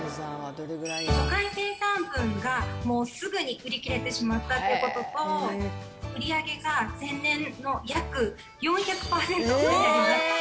初回生産分が、もうすぐに売り切れてしまったということと、売り上げが前年の約４００％になりました。